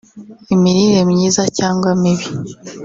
imirire myiza cyangwa mibi